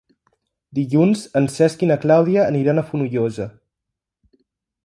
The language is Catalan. Dilluns en Cesc i na Clàudia aniran a Fonollosa.